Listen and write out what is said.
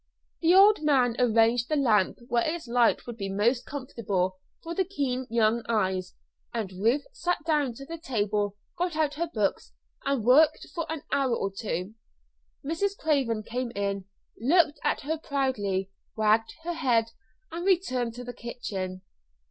The old man arranged the lamp where its light would be most comfortable for the keen young eyes, and Ruth sat down to the table, got out her books, and worked for an hour or two. Mrs. Craven came in, looked at her proudly, wagged her head, and returned to the kitchen.